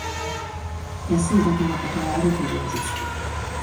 安いだけのことはあるという味つけ